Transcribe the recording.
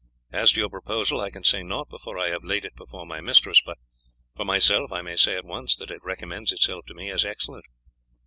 As to your proposal I can say naught before I have laid it before my mistress, but for myself I may say at once that it recommends itself to me as excellent.